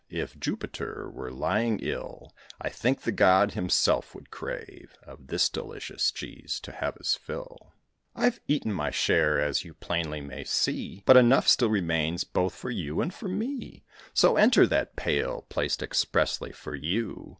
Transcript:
If Jupiter were lying ill, I think the god himself would crave Of this delicious cheese to have his fill. I've eaten my share, as you plainly may see, But enough still remains both for you and for me; So, enter that pail, placed expressly for you."